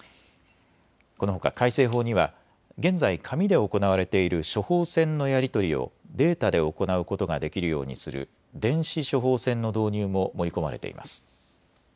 このほか改正法には現在、紙で行われている処方箋のやり取りをデータで行うことができるようにする電子処方箋の導入も盛り込まれています。